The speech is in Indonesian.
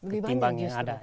lebih banyak justru